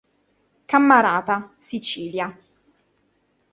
Cammarata, Sicilia.